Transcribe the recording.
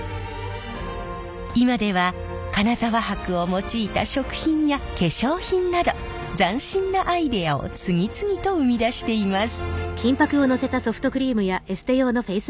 今では金沢箔を用いた食品や化粧品など斬新なアイデアを次々と生み出しています。